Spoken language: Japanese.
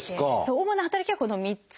主な働きはこの３つと。